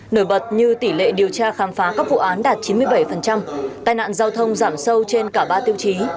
nổi bật như tỷ lệ điều tra khám phá các vụ án đạt chín mươi bảy tai nạn giao thông giảm sâu trên cả ba tiêu chí